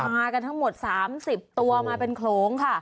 มากันทั้งหมด๓๐ตัวมาเป็นโขลงค่ะ